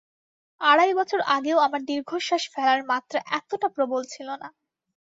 আড়াই বছর আগেও আমার দীর্ঘশ্বাস ফেলার মাত্রা এতটা প্রবল ছিল না।